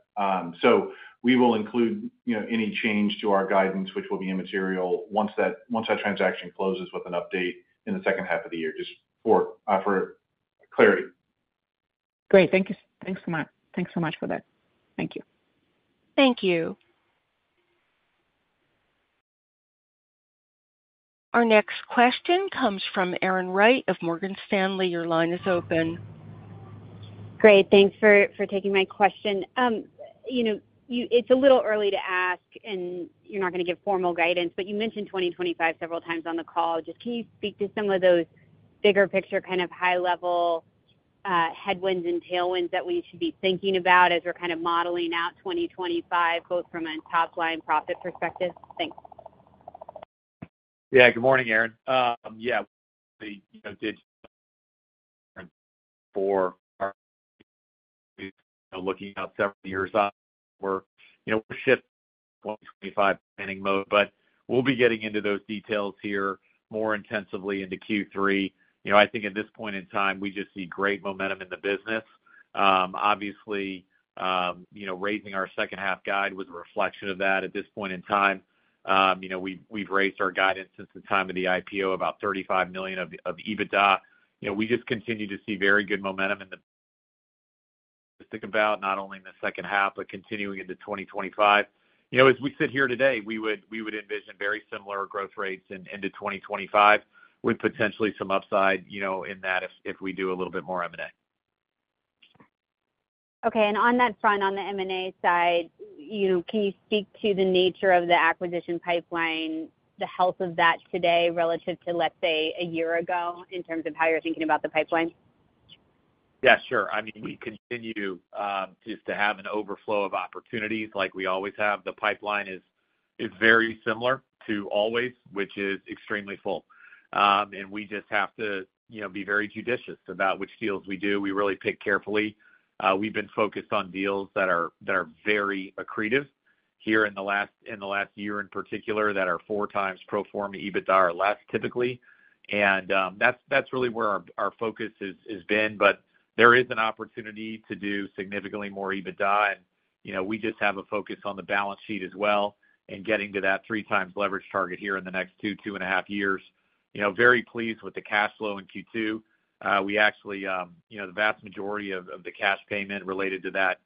Speaker 4: So we will include any change to our guidance, which will be immaterial once that transaction closes with an update in the second half of the year, just for clarity.
Speaker 9: Great. Thank you. Thanks so much for that. Thank you.
Speaker 1: Thank you. Our next question comes from Erin Wright of Morgan Stanley. Your line is open.
Speaker 10: Great. Thanks for taking my question. It's a little early to ask, and you're not going to give formal guidance, but you mentioned 2025 several times on the call. Just can you speak to some of those bigger picture kind of high-level headwinds and tailwinds that we should be thinking about as we're kind of modeling out 2025, both from a top-line profit perspective? Thanks.
Speaker 3: Yeah. Good morning, Erin. Yeah. We did for our looking out several years onward. We're shifting to 2025 planning mode, but we'll be getting into those details here more intensively into Q3. I think at this point in time, we just see great momentum in the business. Obviously, raising our second-half guide was a reflection of that. At this point in time, we've raised our guidance since the time of the IPO, about $35 million of EBITDA. We just continue to see very good momentum in the think about not only in the second half, but continuing into 2025. As we sit here today, we would envision very similar growth rates into 2025 with potentially some upside in that if we do a little bit more M&A.
Speaker 10: Okay. On that front, on the M&A side, can you speak to the nature of the acquisition pipeline, the health of that today relative to, let's say, a year ago in terms of how you're thinking about the pipeline?
Speaker 3: Yeah. Sure. I mean, we continue just to have an overflow of opportunities like we always have. The pipeline is very similar to always, which is extremely full. We just have to be very judicious about which deals we do. We really pick carefully. We've been focused on deals that are very accretive here in the last year in particular that are 4x pro forma EBITDA or less typically. That's really where our focus has been. But there is an opportunity to do significantly more EBITDA. And we just have a focus on the balance sheet as well and getting to that 3x leverage target here in the next 2, 2.5 years. Very pleased with the cash flow in Q2. We actually, the vast majority of the cash payment related to that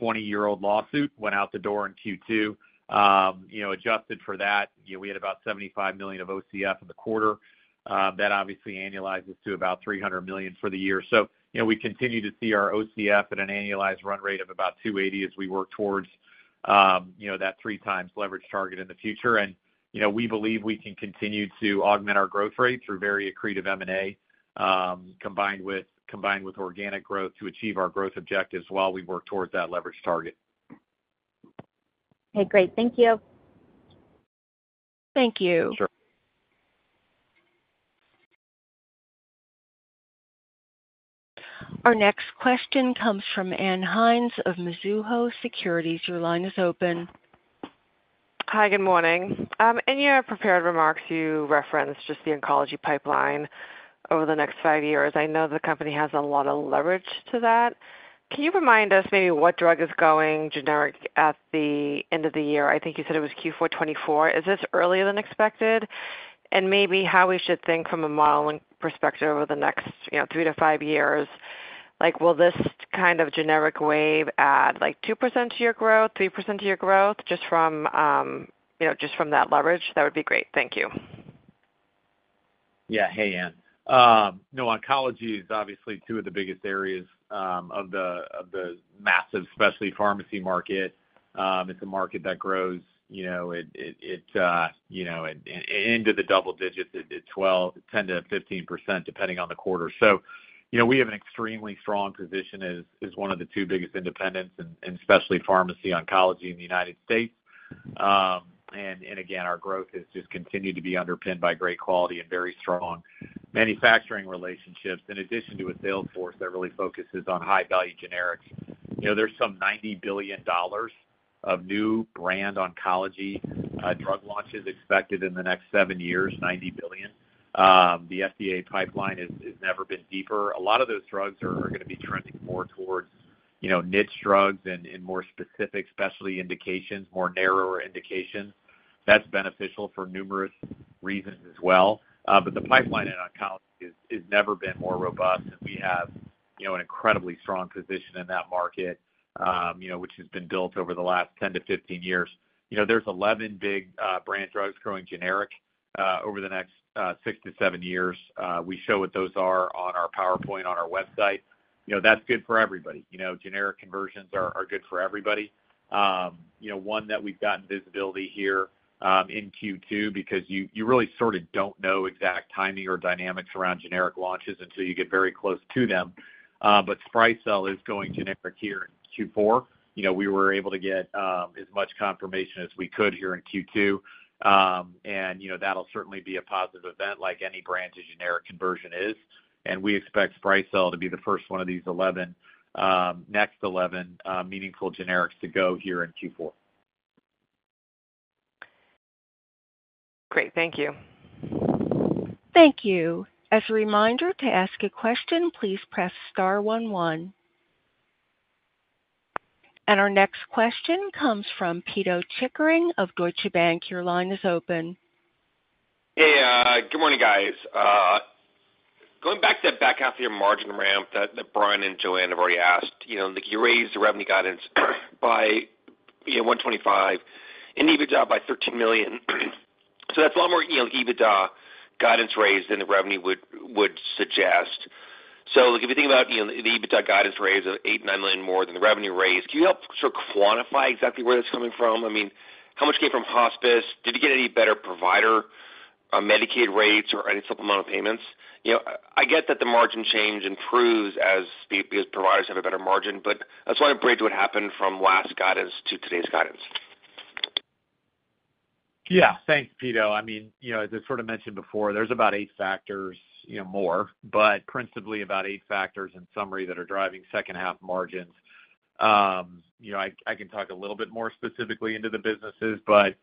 Speaker 3: 20-year-old lawsuit went out the door in Q2. Adjusted for that, we had about $75 million of OCF in the quarter. That obviously annualizes to about $300 million for the year. So we continue to see our OCF at an annualized run rate of about $280 million as we work towards that 3x leverage target in the future. And we believe we can continue to augment our growth rate through very accretive M&A combined with organic growth to achieve our growth objectives while we work towards that leverage target.
Speaker 10: Okay. Great. Thank you.
Speaker 1: Thank you.
Speaker 3: Sure.
Speaker 1: Our next question comes from Ann Hynes of Mizuho Securities. Your line is open.
Speaker 11: Hi. Good morning. In your prepared remarks, you referenced just the oncology pipeline over the next five years. I know the company has a lot of leverage to that. Can you remind us maybe what drug is going generic at the end of the year? I think you said it was Q4 2024. Is this earlier than expected? And maybe how we should think from a modeling perspective over the next three to five years, will this kind of generic wave add 2% to your growth, 3% to your growth just from that leverage? That would be great. Thank you.
Speaker 3: Yeah. Hey, Ann. No, oncology is obviously two of the biggest areas of the massive, specialty pharmacy market. It's a market that grows into the double digits at 10%-15% depending on the quarter. So we have an extremely strong position as one of the two biggest independents, and specialty pharmacy oncology in the United States. And again, our growth has just continued to be underpinned by great quality and very strong manufacturing relationships in addition to a sales force that really focuses on high-value generics. There's some $90 billion of new brand oncology drug launches expected in the next seven years, 90 billion. The FDA pipeline has never been deeper. A lot of those drugs are going to be trending more towards niche drugs and more specific, specialty indications, more narrower indications. That's beneficial for numerous reasons as well. But the pipeline in oncology has never been more robust, and we have an incredibly strong position in that market, which has been built over the last 10 to 15 years. There's 11 big brand drugs going generic over the next 6-7 years. We show what those are on our PowerPoint on our website. That's good for everybody. Generic conversions are good for everybody. One that we've gotten visibility here in Q2 because you really sort of don't know exact timing or dynamics around generic launches until you get very close to them. But Sprycel is going generic here in Q4. We were able to get as much confirmation as we could here in Q2. And that'll certainly be a positive event like any brand to generic conversion is. And we expect Sprycel to be the first one of these 11 next 11 meaningful generics to go here in Q4.
Speaker 11: Great. Thank you.
Speaker 1: Thank you. As a reminder, to ask a question, please press star one one. And our next question comes from Pito Chickering of Deutsche Bank. Your line is open.
Speaker 12: Hey. Good morning, guys. Going back to that back half of your margin ramp that Brian and Joanna have already asked, you raised the revenue guidance by $125 million and EBITDA by $13 million. So that's a lot more EBITDA guidance raise than the revenue would suggest. So if you think about the EBITDA guidance raise of $8-$9 million more than the revenue raise, can you help sort of quantify exactly where that's coming from? I mean, how much came from hospice? Did you get any better provider Medicaid rates or any supplemental payments? I get that the margin change improves as providers have a better margin, but I just want to bridge what happened from last guidance to today's guidance.
Speaker 4: Yeah. Thanks, Peter. I mean, as I sort of mentioned before, there's about 8 factors more, but principally about 8 factors in summary that are driving second-half margins. I can talk a little bit more specifically into the businesses, but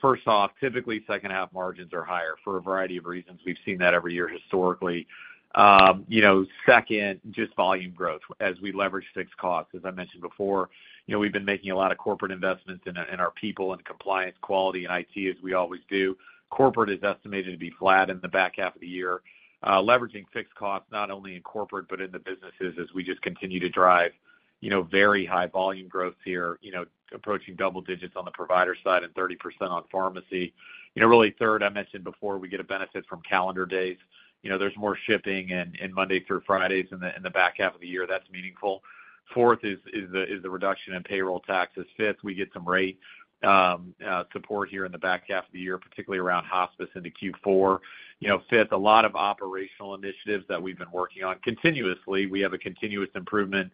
Speaker 4: first off, typically second-half margins are higher for a variety of reasons. We've seen that every year historically. Second, just volume growth as we leverage fixed costs. As I mentioned before, we've been making a lot of corporate investments in our people and compliance quality and IT, as we always do. Corporate is estimated to be flat in the back half of the year. Leveraging fixed costs not only in corporate but in the businesses as we just continue to drive very high volume growth here, approaching double digits on the provider side and 30% on pharmacy. Really, third, I mentioned before, we get a benefit from calendar days. There's more shipping and Monday through Fridays in the back half of the year. That's meaningful. Fourth is the reduction in payroll taxes. Fifth, we get some rate support here in the back half of the year, particularly around hospice into Q4. Fifth, a lot of operational initiatives that we've been working on continuously. We have a continuous improvement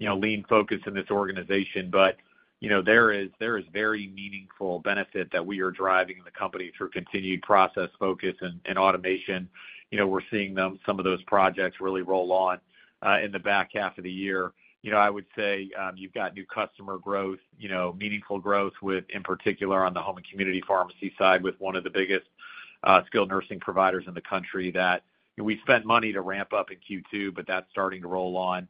Speaker 4: lean focus in this organization, but there is very meaningful benefit that we are driving in the company through continued process focus and automation. We're seeing some of those projects really roll on in the back half of the year. I would say you've got new customer growth, meaningful growth, in particular on the home and community pharmacy side with one of the biggest skilled nursing providers in the country that we spent money to ramp up in Q2, but that's starting to roll on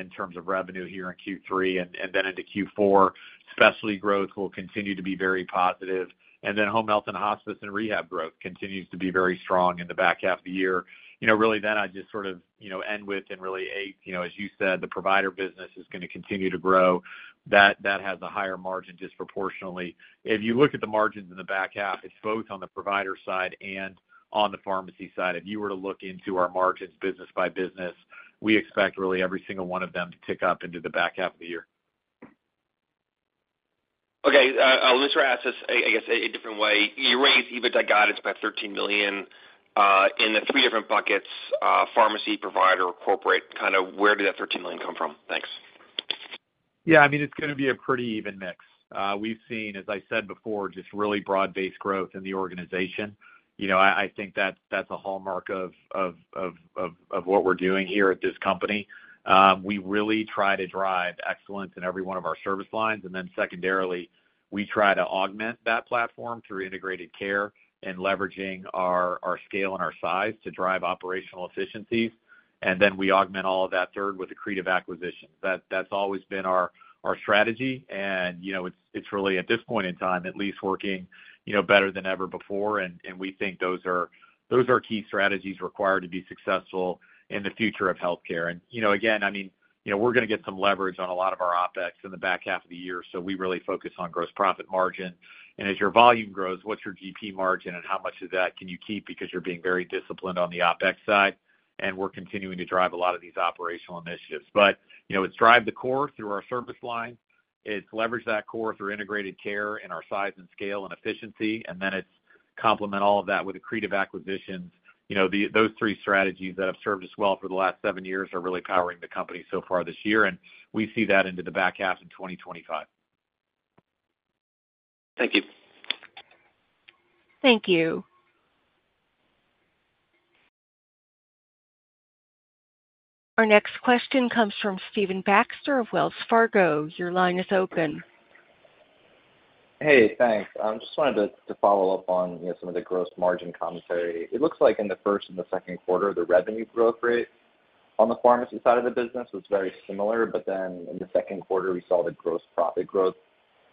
Speaker 4: in terms of revenue here in Q3 and then into Q4. Specialty growth will continue to be very positive. And then home health and hospice and rehab growth continues to be very strong in the back half of the year. Really, then I just sort of end with and really aid, as you said, the provider business is going to continue to grow. That has a higher margin disproportionately. If you look at the margins in the back half, it's both on the provider side and on the pharmacy side. If you were to look into our margins business by business, we expect really every single one of them to tick up into the back half of the year.
Speaker 12: Okay. I'll ask this, I guess, a different way. You raised EBITDA guidance by $13 million in the three different buckets, pharmacy, provider, corporate. Kind of where did that $13 million come from? Thanks.
Speaker 3: Yeah. I mean, it's going to be a pretty even mix. We've seen, as I said before, just really broad-based growth in the organization. I think that's a hallmark of what we're doing here at this company. We really try to drive excellence in every one of our service lines. And then secondarily, we try to augment that platform through integrated care and leveraging our scale and our size to drive operational efficiencies. And then we augment all of that third with accretive acquisitions. That's always been our strategy. And it's really, at this point in time, at least working better than ever before. And we think those are key strategies required to be successful in the future of healthcare. And again, I mean, we're going to get some leverage on a lot of our OpEx in the back half of the year. So we really focus on gross profit margin. And as your volume grows, what's your GP margin and how much of that can you keep because you're being very disciplined on the OpEx side? And we're continuing to drive a lot of these operational initiatives. But it's drive the core through our service line. It's leverage that core through integrated care and our size and scale and efficiency. And then it's complement all of that with accretive acquisitions. Those three strategies that have served us well for the last seven years are really powering the company so far this year. And we see that into the back half in 2025.
Speaker 12: Thank you.
Speaker 1: Thank you. Our next question comes from Stephen Baxter of Wells Fargo. Your line is open.
Speaker 13: Hey. Thanks. I just wanted to follow up on some of the gross margin commentary. It looks like in the first and the second quarter, the revenue growth rate on the pharmacy side of the business was very similar. But then in the second quarter, we saw the gross profit growth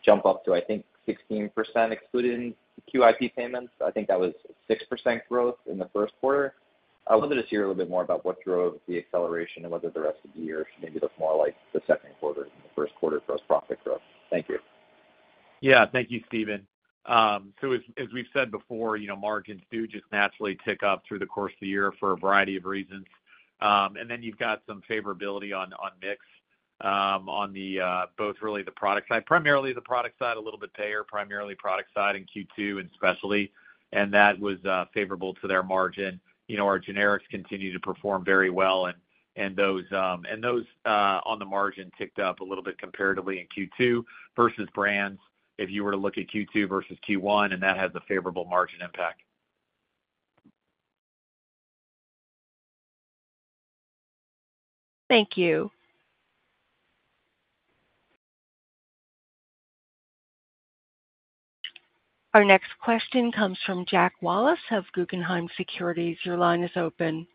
Speaker 13: jump up to, I think, 16% excluding QIP payments. I think that was 6% growth in the first quarter. I wanted to hear a little bit more about what drove the acceleration and whether the rest of the year should maybe look more like the second quarter than the first quarter gross profit growth. Thank you.
Speaker 4: Yeah. Thank you, Stephen. So as we've said before, margins do just naturally tick up through the course of the year for a variety of reasons. And then you've got some favorability on mix on both really the product side, primarily the product side, a little bit payer, primarily product side in Q2 and specialty. And that was favorable to their margin. Our generics continue to perform very well. And those on the margin ticked up a little bit comparatively in Q2 versus brands. If you were to look at Q2 versus Q1, and that has a favorable margin impact.
Speaker 1: Thank you. Our next question comes from Jack Wallace of Guggenheim Securities. Your line is open.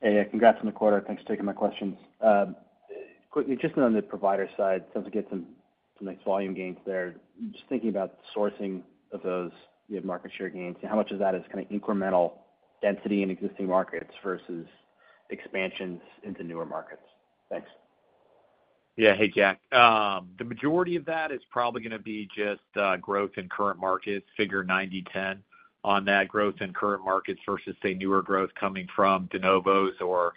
Speaker 14: Hey. Congrats on the quarter. Thanks for taking my questions. Quickly, just on the provider side, it sounds like you had some nice volume gains there. Just thinking about sourcing of those, you have market share gains. How much of that is kind of incremental density in existing markets versus expansions into newer markets? Thanks.
Speaker 4: Yeah. Hey, Jack. The majority of that is probably going to be just growth in current markets, figure 90/10 on that growth in current markets versus, say, newer growth coming from de novos or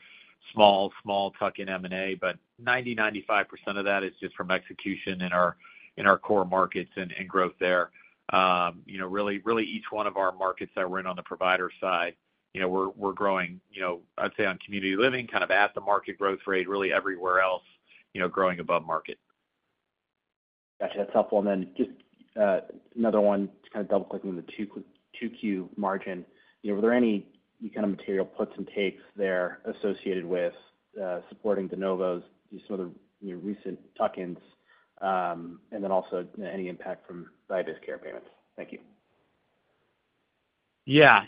Speaker 4: small, small tuck-in M&A. But 90%-95% of that is just from execution in our core markets and growth there. Really, each one of our markets that we're in on the provider side, we're growing, I'd say, on community living, kind of at the market growth rate, really everywhere else, growing above market.
Speaker 14: Gotcha. That's helpful. And then just another one, just kind of double-clicking the 2Q margin. Were there any kind of material puts and takes there associated with supporting de novos, some of the recent tuck-ins, and then also any impact from diabetes care payments? Thank you.
Speaker 3: Yeah.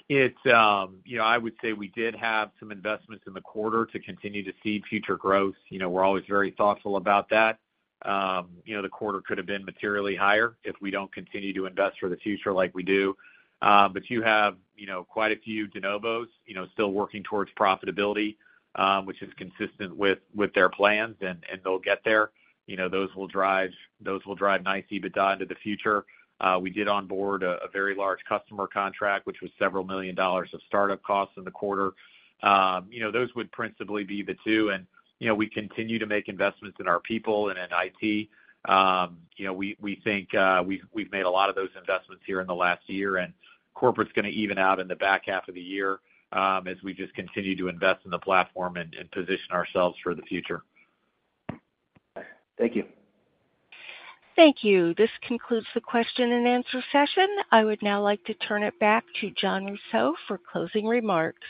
Speaker 3: I would say we did have some investments in the quarter to continue to see future growth. We're always very thoughtful about that. The quarter could have been materially higher if we don't continue to invest for the future like we do. But you have quite a few de novos still working towards profitability, which is consistent with their plans, and they'll get there. Those will drive nice EBITDA into the future. We did onboard a very large customer contract, which was several million dollars of startup costs in the quarter. Those would principally be the two. And we continue to make investments in our people and in IT. We think we've made a lot of those investments here in the last year. And corporate's going to even out in the back half of the year as we just continue to invest in the platform and position ourselves for the future.
Speaker 14: Thank you.
Speaker 1: Thank you. This concludes the question and answer session. I would now like to turn it back to Jon Rousseau for closing remarks.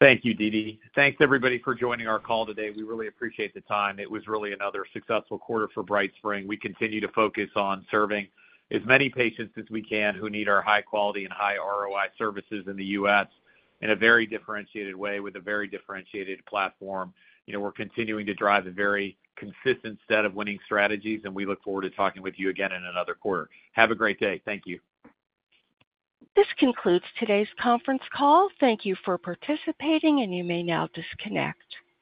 Speaker 3: Thank you, Dede. Thanks, everybody, for joining our call today. We really appreciate the time. It was really another successful quarter for BrightSpring. We continue to focus on serving as many patients as we can who need our high-quality and high-ROI services in the U.S. in a very differentiated way with a very differentiated platform. We're continuing to drive a very consistent set of winning strategies, and we look forward to talking with you again in another quarter. Have a great day. Thank you.
Speaker 1: This concludes today's conference call. Thank you for participating, and you may now disconnect.